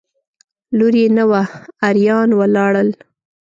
لور یې نه وه اریان ولاړل.